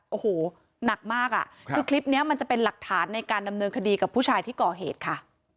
โอ้โหหนักมากอ่ะคือคลิปนี้มันจะเป็นหลักฐานในการดำเนินคดีกับผู้ชายที่ก่อเหตุค่ะ